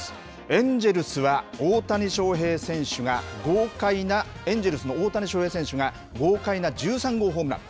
エンジェルスは大谷翔平選手が豪快な、エンジェルスの大谷翔平選手が、豪快な１３号ホームラン。